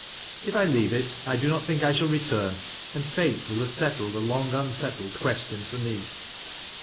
"If 1 leave it, I do not think I shall return, and Fate will have settled a long unsettled question for me."